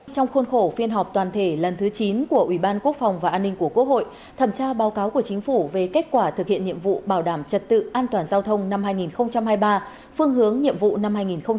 trong khuôn khổ phiên họp toàn thể lần thứ chín của ủy ban quốc phòng và an ninh của quốc hội thẩm tra báo cáo của chính phủ về kết quả thực hiện nhiệm vụ bảo đảm trật tự an toàn giao thông năm hai nghìn hai mươi ba phương hướng nhiệm vụ năm hai nghìn hai mươi bốn